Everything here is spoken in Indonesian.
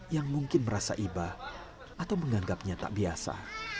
yang mungkin merasa iba atau menganggapnya tak biasa